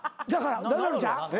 ナダルちゃん？